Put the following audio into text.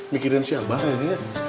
pikiran si abah ini ya